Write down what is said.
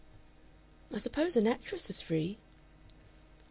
"I suppose an actress is free?..."